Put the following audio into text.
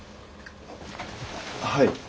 はい。